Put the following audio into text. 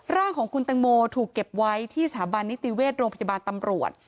ร่างของคุณตังโมถูกเก็บไว้ที่สถาบันนิติเวชโรงพยาบาลตำรวจ